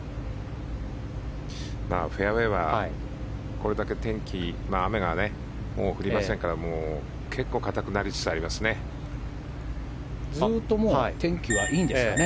フェアウェーはこれだけ、天気雨がもう降りませんから結構、硬くなりつつありますね。